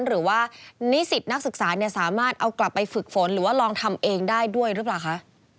หรือว่านิสิตนักศึกษาเนี่ยสามารถเอากลับไปฝึกฝนหรือว่าลองทำเองได้ด้วยหรือเปล่าคะ